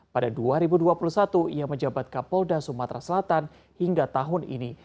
pada dua ribu dua puluh satu ia menjabat kapolda sumatera selatan hingga tahun ini